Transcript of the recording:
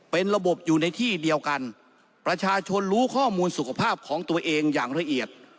เป็นระบบอยู่ในที่เดียวกันประชาชนรู้ข้อมูลสุขภาพของตัวเองอย่างละเอียด